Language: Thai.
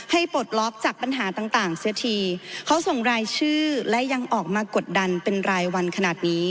ปลดล็อกจากปัญหาต่างต่างเสียทีเขาส่งรายชื่อและยังออกมากดดันเป็นรายวันขนาดนี้